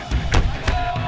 terima kasih pak